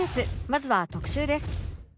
まずは特集です